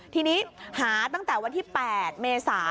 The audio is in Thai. ทีนี้หาตั้งแต่วันที่๘เมษา